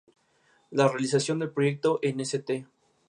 Sueña con convertirse en un "magnate de la seda dental" al comercializarlo.